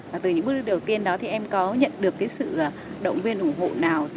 và từ những bước đầu tiên đó thì em có nhận được cái sự động viên ủng hộ nào